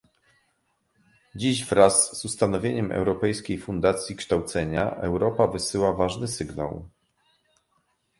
Dziś, wraz z ustanowieniem Europejskiej Fundacji Kształcenia, Europa wysyła ważny sygnał